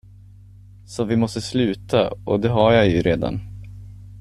Så vi måste sluta, och det har jag ju redan.